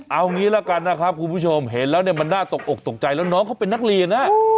เอางี้ละกันนะครับคุณผู้ชมเห็นแล้วเนี่ยมันน่าตกอกตกใจแล้วน้องเขาเป็นนักเรียนนะ